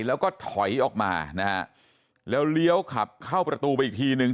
แล้วก็ถอยออกมานะฮะแล้วเลี้ยวขับเข้าประตูไปอีกทีนึง